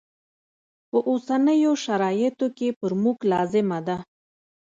په اوسنیو شرایطو کې پر موږ لازمه ده.